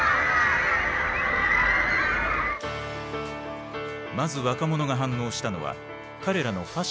まず若者が反応したのは彼らのファッションだった。